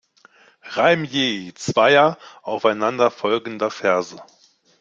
Reim je zweier aufeinander folgender Verse.